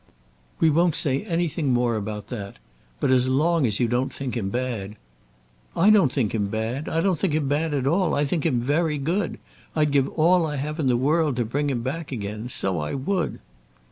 "We won't say anything more about that. But as long as you don't think him bad " "I don't think him bad. I don't think him bad at all. I think him very good. I'd give all I have in the world to bring him back again. So I would."